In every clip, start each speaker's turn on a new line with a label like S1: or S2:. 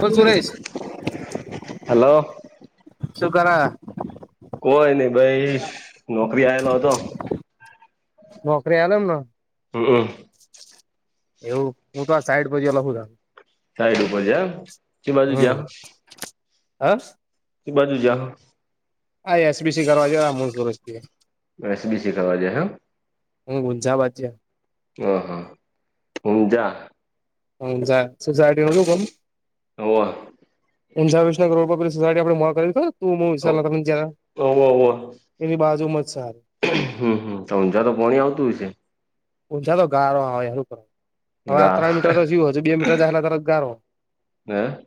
S1: બોલ સુરેશ
S2: હેલો.
S1: શું કર
S2: કોઈ નઈ ભાઈ નોકરી આવેલો હતો.
S1: નોકરી આવેલો
S2: હમમ.
S1: એવું હું તો આ સાઈઠ પર જ્યલો
S2: સાઈડ ઉપર છે એમ. કે બાજુ જા
S1: હમ હા
S2: એ બાજુ
S1: આ એસબીસી કરવા જાવ આ મૂળ સુરથી
S2: એસબીસી કરવા જાય એમ?
S1: હું [unintelligible]
S2: હ હા [unintelligible]
S1: સોસાયટી નું
S2: હોવ
S1: [unintelligible] આપે
S2: હોવ હોવ
S1: [unintelligible] એની બાજુમાં જ છે
S2: હમ હમ ઉંજા તો પોણી આવતું હોય છે.
S1: ઉછા તો ગારોવે કર હવે આ
S2: હા
S1: ત્રણ મીટર તોયું બે મીટર જ તરત ગારો.
S2: [inaudible]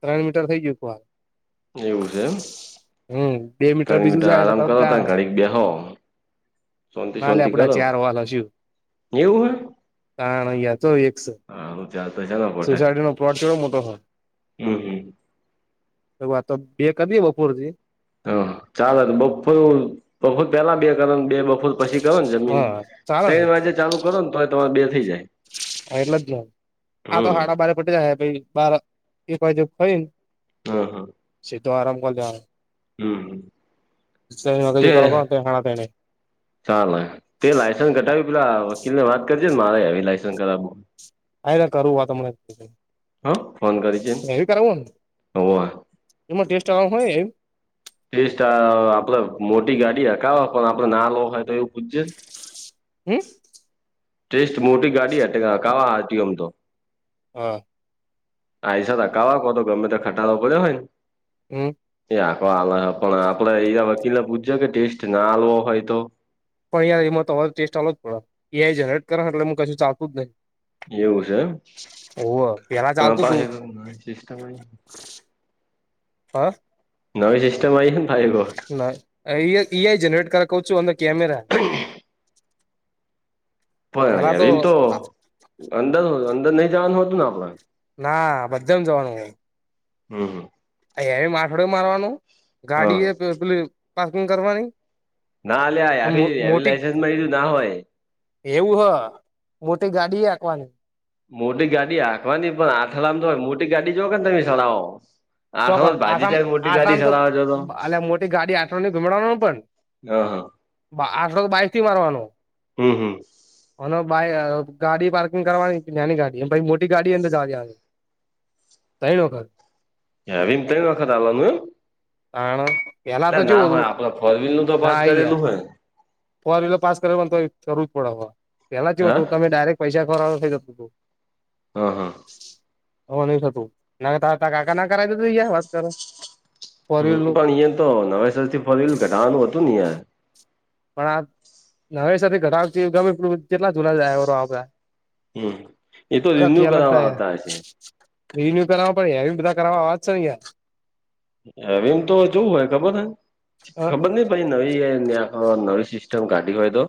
S1: ત્રણ મીટર થઈ ગયું હતું આ.
S2: એવું છે
S1: હમ બે મીટર
S2: એમ
S1: બીજું જાય એટલે
S2: આરામ
S1: તરત
S2: કરો ત
S1: ગારો
S2: ગાડી બેહો. શાંતિ
S1: ના લે
S2: શાંતિ
S1: આપડા
S2: કરો
S1: ચાર વાલ
S2: એવું હ?
S1: કારણયા ચો એક સ.
S2: હા હું ચાલતો છે પોતે
S1: સોસાયટી નો પ્લોટ કેવો મોટો હોય
S2: હમ હમ.
S1: એ વાતો બે કદી બપોરથી
S2: હા ચાલ બપોરે બપોરે પેલા બે કર બે [unintelligible] પછી કરો ને જમીન
S1: હા ચાલે ને
S2: ત્રણ વાગે ચાલુ કરો ને તો તમારે બે થઈ જાય.
S1: હા એટલે જ ન આ તો
S2: હમ
S1: સાડા બારે પટે જાય બાર એક બાજુ ખાઈ ને
S2: હા હા.
S1: [unintelligible]
S2: હમ.
S1: જે
S2: તે
S1: ચાલું હણા તેને
S2: ચાલે તે લાયસન્સ ઘટાવી પેલા વકીલ ને વાત કરજે ને મારે આવી લાયસન્સ કરાવુ.
S1: હા કરું વાત અમને.
S2: હં ફોન કરી છે
S1: ને
S2: હો.
S1: એમાં ટેસ્ટ આ હોય એમ.
S2: ત્રીસ આપડે મોટી ગાડી હ ક પણ આપડે ના લોવ હોય તો એવું પૂછજે ને.
S1: હમ.
S2: ટેસ્ટ મોટી ગાડી હ કાવાતીમ ર. ટી. ઓ માતો
S1: હા
S2: આિસા અકાવવા કો તો ગમે તે ખટાો કર્યો હોય ને.
S1: હમ
S2: એ આખો આ પણ આપડે એ વકીલે પૂછજ કે ટેસ્ટ ના આલવો હોય તો?
S1: પણ યારમાં તમારે ટેસ્ટ ચાલો જ પડે એઆઈ જનરેટ કર એટલે કશું ચાલતું જ નહી.
S2: એવું છે.
S1: ઓવ પેલા
S2: એમ
S1: ચાલતું તું
S2: પાછી નવી સિસ્ટમ આઈ
S1: હ.
S2: નવી સિસ્ટમ આઈ છેને
S1: ના એ આઇ જનેરેટ કર કું અંદર કમેરા
S2: હ. પણવીમ તો અંદર અંદર નહી જવાનું હતું ને આપડે?
S1: ના બધા જવાનું હોય.
S2: હમ હ.
S1: અંથડ્ડો મારવાનું ગાડી
S2: હા
S1: એ પાર્કિંગ કરવાની
S2: ના અ આ
S1: મો
S2: આવી હ
S1: મોટી
S2: લાયસન્સ મળીું [inaudible] ના હોય
S1: એવું હ મોટી ગાડી પણ હાંકવાની
S2: મોટી ગાડી આખવાની પણ આંથડામાં તો હોય મોટી ગાડી જો કેને તમે ચલાવો?
S1: ચોક્કસ આંઠડો આંથળો તો અ મોટી ગાડી આઠની ગુમેડવાનું પણ
S2: હા હા.
S1: આંથડો તો બાઈક થી મારવાનો
S2: હમ હમ.
S1: હ ગાડી પાર્કિંગ કરવાની નાની ગાડી એમ મોટી ગાડી અંદર જવા દવાની. ત્રણ વખત
S2: હ વિમ [unintelligible] તણ વખત આાલવાનુ એમ
S1: તાણે
S2: એ ના હોય આપડે ફોરવીલ નું તો પાસ
S1: આઈ યાર
S2: કરેલું હોય
S1: ફોર વ્હીલર પાસ કર તો જરૂર જ પડે પેલા કેવું
S2: હા
S1: હતું તમે ડાયરેક્ટ પૈસા ખરવાો થઈ જતું હતું.
S2: હા હા.
S1: હ નહી થતું ના કાકા ના કરાવી દેધું યા વાત કરો. ફોર
S2: હ
S1: વ્હીલર નું
S2: પણ અ તો નવા સરથી ફરેલું ઘઢાવાનું હતું ને.
S1: પણ આ હવે ઘ ગમે કેટલા જુલા જ
S2: હમ એ તો રિન્યુ કર
S1: થાય
S2: આવતા હશે.
S1: રિન્યુ કરાવ પડે એ બધા કર કરવા આવવાજ છે ને યાર.
S2: એમ તો જોવું હોય ખબર છે
S1: યાર
S2: ખબર નહીં પ નવી નવી સિસ્ટમ કાઢી હોય તો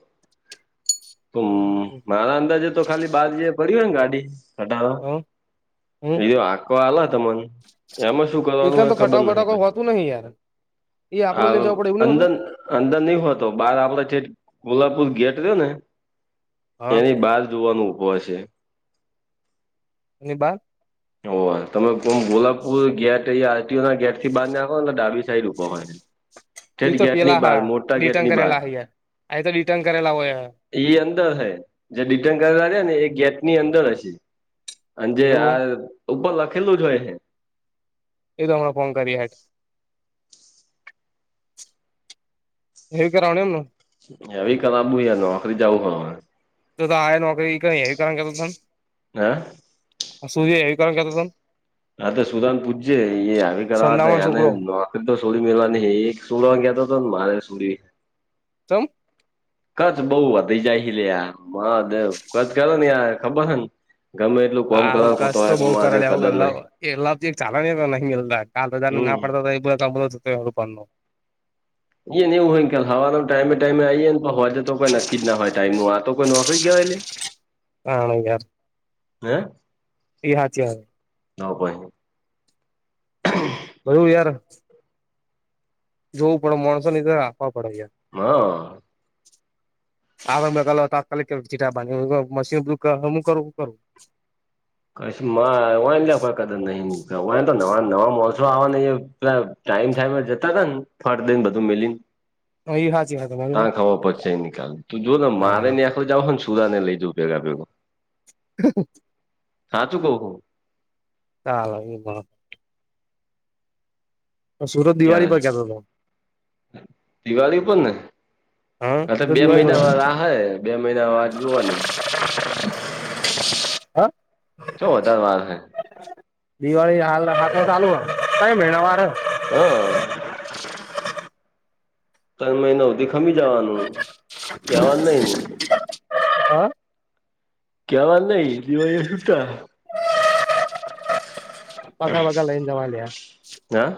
S2: હ મારા અંદાજે તો ખાલી બાર જ પર હોય ને ગાડી ટો
S1: હ હ હમ
S2: એજ હાંકવા આલે તને એમાં શું
S1: એકન
S2: કરવાનું
S1: તો
S2: ખબર
S1: ખટાવ બટાકો હોતું નહિ યાર એ આપડું લઈને જવું પડે એવું નહિ હોતું
S2: અંદર અંદર નહીં હોતો બહાર આપડે છે કોલ્પુર ગેટ રહ્યો ને
S1: હા
S2: એની બહાર જોવાનું ઊભો હશે.
S1: એની બહાર
S2: ઓ તમે કોમ ગોલાપુર ગેટ અયા આરટીઓ ના ગેટ થી બાંધ નાખો ને ડાબી સાઈડ ઉપર હ
S1: એ તો પેલા હા ડિટર્ન
S2: ની બહાર
S1: કરેલા હૈ આ તો ડિટર્ન કરેલા હોય.
S2: એઈ અંદર હ જે ડિટેન કરેયા ને એ ગેટ ની અંદર હશે અને જે
S1: એવું
S2: આ ઉપર લખેલું જ હોય હે.
S1: [unintelligible] હવી કરા [inaudible] વડ એમનું [unintelligible]
S2: યાર નોકરી જાવું હ
S1: જો તો આ નોકરી એવી કારણ કરતા
S2: હે
S1: સૂર્ય એવી કારણ કરતો ને [unintelligible]
S2: હા તો સુરાન પૂછજે એ આવી કર હતા
S1: સંદાવાન
S2: એને
S1: છોકરો
S2: સડી મેવા ન એક સોડવાતો હતોને મારે સડી
S1: ચમ?
S2: કચ બઉ? વધી જાય છે કચ કરો ને યાર ખબર હ ને ગમે એટલું કોમ
S1: સારું
S2: કરો
S1: કષ
S2: તોય
S1: બહ
S2: મહાદેવ
S1: કરે
S2: કદર નહી
S1: આવું એ ચાલણી નહી કાલ બ [inaudible] [unintelligible] મળ
S2: હમ
S1: કનું [inaudible] [unintelligible]
S2: એઈ ન એવ હોય હવાનો ટાઈમે ટાઈમે આવીઈએ ને પણ હોય તો કોઈ નક્કી જ ના હોય ટાઈમ નુ તો કોઈ નોકરી કેવાય લ્યા...
S1: હણ યાર
S2: હે
S1: હથી [unintelligible]
S2: તો પહી
S1: બધુ યાર જોવું પડે માણસો ની રાખવા પડ યાર
S2: હા
S1: આ મે ક તાકાલિક ચીટા બાંધ મશીનું કરુંું કરું [unintelligible]
S2: કચ લ કોઈ કદર નહી મ હોય તો નવા નવા માસો આવવા ન પેલા ટાઈમ ટાઈમ જતા હતાા ને ફટ દન બધું મીલી ને-
S1: એ હાચી વાત તમારી
S2: તાં ખાવા પછ નનીિકાલ તું જો ને મારે
S1: હા
S2: આ [unintelligible] આપડ જાવઓ ને સુદા ને લઈજું ભેગા ભેું [unintelligible]
S1: હ
S2: હા તું કહ હું
S1: હા એ... સારો તો દિવાળી
S2: અગિયારસ
S1: પર કેતો તો.
S2: દિવાળી ઉપર ને હા તો
S1: એ
S2: બે
S1: દિવાળી
S2: મહિના
S1: પર
S2: વાર આ હ બે મહિના વાટ જુવાની.
S1: હા
S2: ચો વધારે વાર હ
S1: દિવાળી હાલ હા તો ચાલુ હ ક મેિણ વાર
S2: હા તયણ મહિના હુધી ખમી જવાનું કેવાનું નઈ ને
S1: [inaudible] હા
S2: કેવાન નઈ દિવાળ છૂટા
S1: પગાર બગાર લઈન જવા લ્યા
S2: હા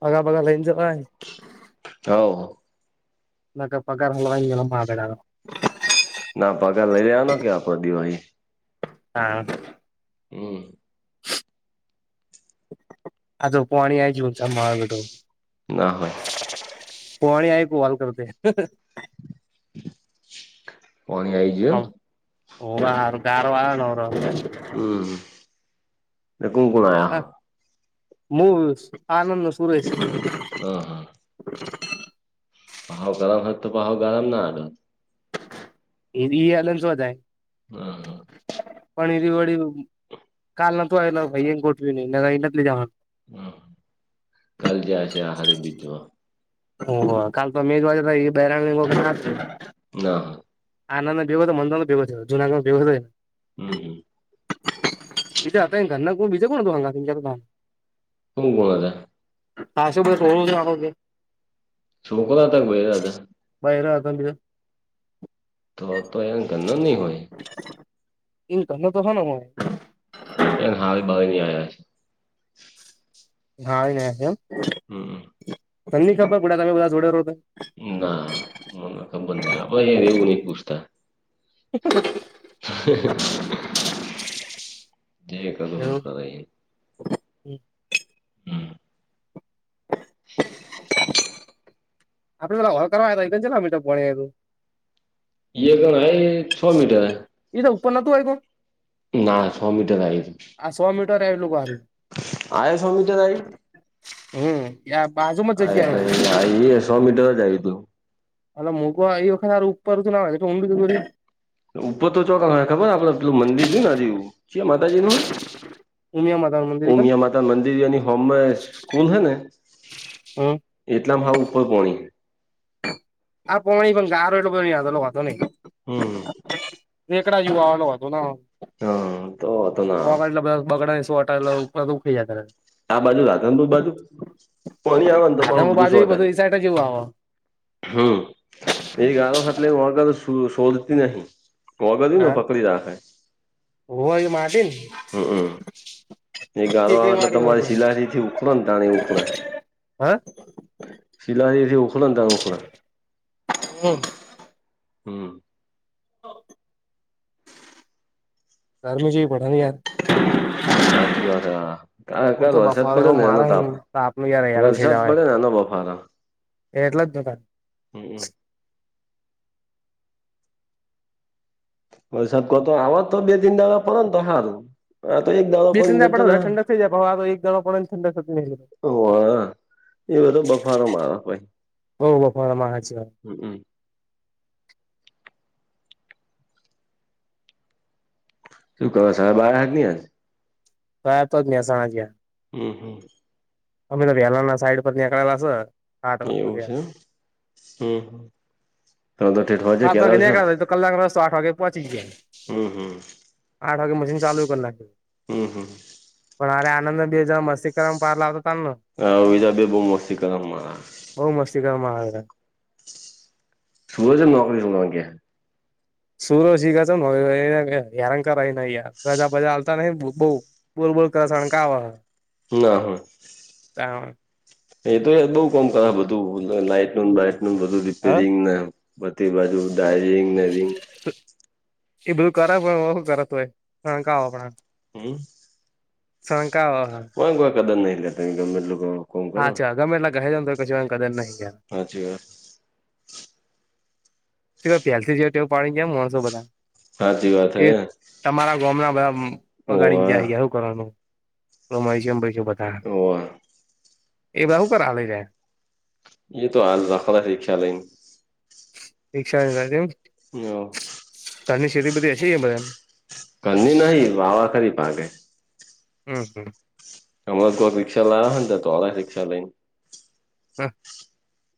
S1: પગા બગાર લઈન જવા
S2: હ
S1: [unintelligible]
S2: ના પગાર લઈ લેવાનો કે આપડ દિવાળી
S1: હા
S2: હમ
S1: આ તો પાણી આ જ ઉલતા મહગટો
S2: ના હોય
S1: [unintelligible]
S2: પોણી આઈ ગયું
S1: [unintelligible]
S2: હમ એ કોણ કોણ આયા હ
S1: મવ આનંદ ન સુરે છે
S2: હ હા ભાવ ગરમ હોત તો ભાવ ગરમ ના આડત
S1: એ અલન શોધાય
S2: હા હા
S1: પણ ર વળ કાલ ન તોું આયલા ભાઈ એને ગોઠવી નહી નગઈ નકલી જવા
S2: હમ કાલ જશે આહારી બીજમાં
S1: ઓહ કલ્પ મેઘ વાજ બહેરાંગંગ
S2: ના હ
S1: આનંદ ભગ હતો મંદરનો ભગો થયો જનાગઢમાં ભગો થને
S2: હમ હમ
S1: બીજ આ હતા ઘરના બીજે કોણ હતું ભંગા તમ તો ભાન
S2: હમું કોણ જા
S1: હા શું ભાઈ થોડું જાણો
S2: શોકોલ તક ભયે
S1: બહરે આવ તજ
S2: તો તો એ ગનો નહી હોય
S1: એ ઘંધ તો હ ન મને
S2: એને હાલ બાવ ની આવયા છે
S1: હા એ છે એમ
S2: હમ
S1: તની ખબર બુા તમે બધા જોડે રો હતા
S2: ના મને ખબર નહ આપણે એ એવું નહી પૂછતા
S1: ઠ
S2: જે
S1: એવું
S2: ક હ
S1: આપડે પેલા ઘર કરવા છે મીઠોું
S2: ગણ છ મીટરૈ
S1: એ તો ઉપર નતું હોય્યું
S2: ના છ મીટર લાગી છે
S1: આ સો મીટર એલુંારું
S2: આ સૌમી તો તાઈ
S1: હમ બાજુમાં જ જગ્યા
S2: આઈ એ છ મીટર જાય હતું
S1: હા મુગવા એ વખત ઉપરું ના આવેઊું
S2: ઉપર તો ચોક ખબર આપડે પલું મંદિર થય ને આ જે છેી માતાજી ન
S1: ઉમિયા માદાનંદર
S2: ઓમ યા માતા મંદિર યા હોમ કોન હૈ ને
S1: હમ
S2: એટલામ હ ઉપર કોણીં
S1: આ પ્રમાણી પણ ગારો એટ યાદ હતો નહ
S2: હમ
S1: એકકડા યવા વાલો હતો
S2: હા તો તો ના
S1: એટ બ બગડાસો કટલા દખ જ્યારે
S2: આ બાજુ રાધન દુ બાજુ કોણી આવે ને તો પાું
S1: આદમો
S2: બધું
S1: બાજુ એ
S2: સોટર
S1: ઈસાટ જેવું આવે
S2: હમ એ ગાવા ફાટલે માગ શોધતી નહી કોગરયને
S1: હા
S2: પકડી રાખે
S1: હોવા એ માટી ને
S2: હમમ એ ગાળો આવે
S1: ચીકણી
S2: એટલે
S1: માટી હોય
S2: તમારી સિલાડી થી ઉખરો ને તાણી ઉખરે
S1: હા
S2: સિલાથી ખખલ તં ઓખલા
S1: હમ
S2: હમ
S1: હ તારમી જવી પડા ની આર
S2: સાચી વાત હા ક ક
S1: ઓ તો
S2: વરસાદ
S1: બફારો
S2: પડ્યો
S1: એવો
S2: ને એનો
S1: મારે હે
S2: તાપે
S1: તો આપનું યાર
S2: વરસાદ પડે ને ન બફારા
S1: એટલા જ દુકાન
S2: હમમ ઓ સાબતો આવાજ તો બે તિન દાડા પ ને તો સારું હા તો એક દાદ
S1: ત્રણ
S2: પડીને
S1: દાડા
S2: જતો
S1: પડે
S2: ત
S1: હવે ઠંડક થઈ જાય પણ આ તો એક દાડો પડે ને ઠંડક થતી નથી
S2: ઓ હ એ બધો બફારો મા ભાઈ
S1: બહુ બફારામાં હાચી વાત
S2: હ શું ક બાર હા ની
S1: તો તો જ મેંજ ગ
S2: હમ હમ
S1: અમી વલાના સાઈડ પર નીકળલા હ
S2: એવું છેમ હમ હમ
S1: સાત વાગે નહીં કરતા તો કલાક રસ્તો આઠ વાગે પહોંચી ગયા
S2: હમ હમ
S1: આઠ વાગે મશન ચાલુ કર લાગી
S2: હમ હમ
S1: પણ અરે આનંદ બ બેજ મસ્ક્રમ પારલા આવતા તને
S2: હ વિજા બે બહુ મોસ્તી કર મારા
S1: બહ મસ્તી કર મહ
S2: સુૂરજ નોકરી શુંગ્યા
S1: સુૂરોી ગ હેરાં કર નયાર રજા બજા ચાલતા ન બ બોલબોલ કરસણ ક આવા હ
S2: ના હા
S1: તા
S2: એ તો બઉુ કોામ કરા બધું લાઈટનું લઇટનું બધું
S1: હ
S2: રીપેરિંગ ને બધી બાજુ ડારિંગ
S1: એ બધું કરે પણ ઓું કરેતું હોયંક
S2: હમ
S1: શણકા વા હા
S2: કદ નઈ તમે ગમેીટ લોકો
S1: હા્છા ગમેટલા ગ હજ કશ કદર નહીયા
S2: હાચ વા
S1: પ્યાલથી જયો તો પાણી ગયામ માણસો બધા
S2: હાચી વાત
S1: એ
S2: હે
S1: તમારા ગામ ના
S2: હોવે
S1: બગાડીને જાય ગયા કરવા રમામ બધા
S2: હોવે
S1: એ બું કર લે જ
S2: એ તો આાલઝખાત છે ખ્યાલઈને
S1: રિકક્ષા
S2: હ
S1: ધર ની ખેતી બધી હશે બધાને
S2: ઘની નહીં વાવાખરી પાાગે.
S1: હમ, હમ.
S2: અમરા કો રિક્ષાાવવા તો રિક્ષા લઈને
S1: હા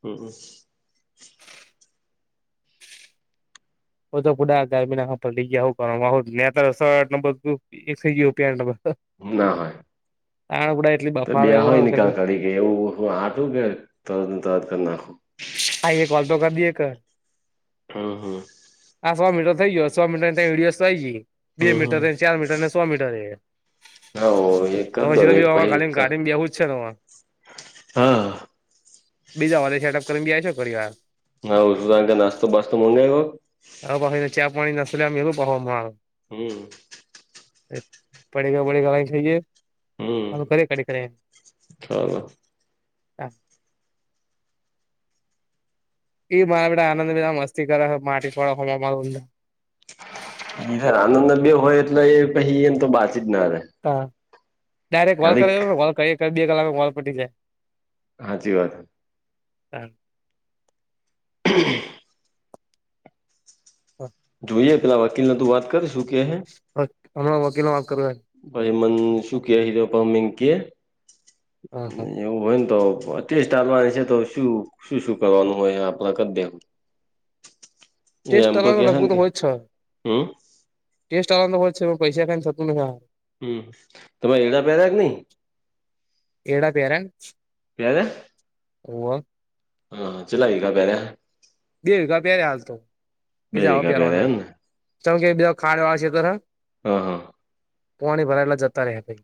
S2: હમ
S1: ઓ તો પુડા ગમીના પડી ગયાું કરવા નું એકસઓપિયા
S2: ના હોય.
S1: આણગુડા એટલી
S2: તો બે
S1: બફારો એવો
S2: હોય
S1: ને
S2: નિકાલ
S1: કશું
S2: કરી કે. એવું હું આટું કે તરત-તરત કરી નાખું.
S1: આઈ, એક વાલ તો કર દએ એક
S2: હ હ.
S1: આ સો મીટર થઈ ગયો. સો મીટર તો ડીએસ થઈ ગઈ. બે
S2: હમ
S1: મીટર,
S2: હમ
S1: ચાર મીટરને સો મીટર.
S2: હા એક કર
S1: અ
S2: દો
S1: સીધ
S2: ને એક
S1: બી ગાડી
S2: પછી
S1: ગાડી બી આવવું જ છે ને [unintelligible]
S2: હા.
S1: બીજા વાળા સેટઅપ કરીયા છે પરિવાર.
S2: હા, નાસ્તો પાસ્તો મંગાયવો.
S1: હ, પાછીને ચા-પાણી નાસમ એવું પાો માર [unintelligible]
S2: હમ.
S1: પડેગ પડેગ વા ખહીએ કરે ખ કરે [unintelligible]
S2: હમ.
S1: ઈ મારા બેા આનંદ. બધા મસ્તી કરે છે. માટી થોડા હો.
S2: એર આનંદ બે હોય એટલે, એ પછી એમ તો બાચી જ ના રે.
S1: હા, ડાયરેક્ટ કોલ કર.
S2: ખાલીક
S1: કોલ બે કલાક, કોલ પટી જાય.
S2: હાચી વાત.
S1: હમ.
S2: હ.
S1: હા.
S2: જોઈએ, પેલા વકીલ ને તું વાત કર, શું કે હે?
S1: હમણા વકીલો માફ કરે.
S2: ભાઈ, મન શૂ કે, હિજ પામેિ કે
S1: હા હા
S2: એવું હોય ને, તો અતસ ચાલવાની છે, તો શું, શું, શું કરવાનું હોય? આપડે ક દેખ એ
S1: ટેસ્ટ
S2: એમ તો કે
S1: કરવાનું
S2: છે
S1: લગભગ
S2: કે,
S1: હોય જ
S2: હમ
S1: ટેસ્ટ અંદર છે. પૈસા, કાઈ થતું નથી.
S2: હમ, તમામે એડા પ્યાર કે નઈ?
S1: એડા
S2: પ્યાર
S1: હોવ.
S2: હા, ચલાવી.
S1: બે વઘા પહેયા રે. હાલ તો
S2: બે
S1: બીજા આવો
S2: વીઘા પહેર્યા
S1: પહેરવાના.
S2: એમ ને
S1: ચમ કે, બજા ખાડ વાળ છે, તો હ,
S2: હા હા
S1: પાણી ભરાયેલા જતા રહ્યા, ભાઈ.